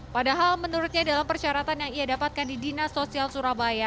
padahal menurutnya dalam persyaratan yang ia dapatkan di dinas sosial surabaya